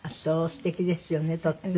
素敵ですよねとっても。